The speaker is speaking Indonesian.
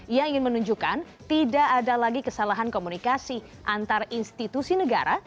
ia ingin menunjukkan tidak ada lagi kesalahan komunikasi antar institusi negara